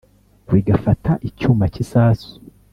bagafata icyuma cy’isasu